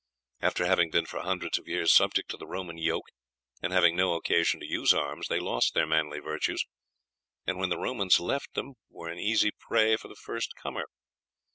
After having been for hundreds of years subject to the Roman yoke, and having no occasion to use arms, they lost their manly virtues, and when the Romans left them were an easy prey for the first comer.